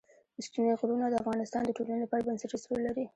ستوني غرونه د افغانستان د ټولنې لپاره بنسټيز رول لري.